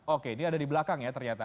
oke ini ada di belakang ya ternyata